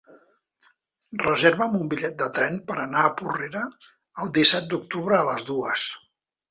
Reserva'm un bitllet de tren per anar a Porrera el disset d'octubre a les dues.